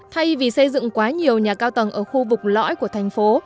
thay vì xây dựng quá nhiều nhà cao tầng ở khu vực lõi của thành phố